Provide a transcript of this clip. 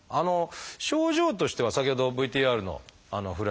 症状としては先ほどＶＴＲの古橋さん